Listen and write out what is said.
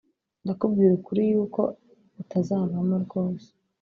Ndakubwira ukuri yuko utazavamo rwose